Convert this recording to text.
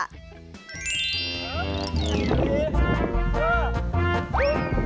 อ้าว